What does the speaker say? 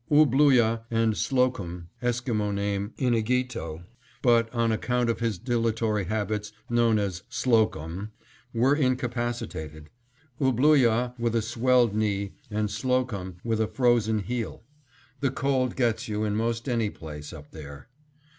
Ooblooyah and Slocum (Esquimo name, Inighito, but, on account of his dilatory habits, known as Slocum) were incapacitated; Ooblooyah with a swelled knee, and Slocum with a frozen heel. The cold gets you in most any place, up there.